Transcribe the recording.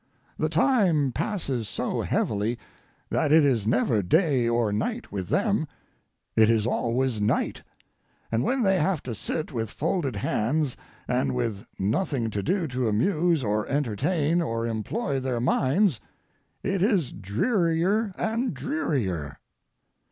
The time passes so heavily that it is never day or night with them, it is always night, and when they have to sit with folded hands and with nothing to do to amuse or entertain or employ their minds, it is drearier and drearier.